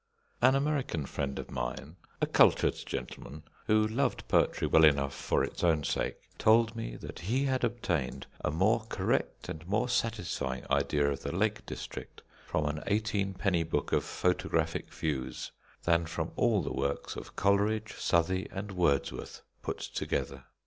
An American friend of mine, a cultured gentleman, who loved poetry well enough for its own sake, told me that he had obtained a more correct and more satisfying idea of the Lake district from an eighteenpenny book of photographic views than from all the works of Coleridge, Southey, and Wordsworth put together.